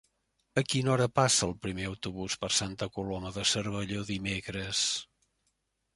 A quina hora passa el primer autobús per Santa Coloma de Cervelló dimecres?